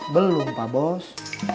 belum pak bos